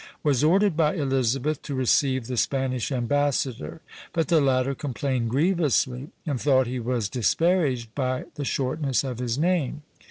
was ordered by Elizabeth to receive the Spanish ambassador; but the latter complained grievously, and thought he was disparaged by the shortness of his name.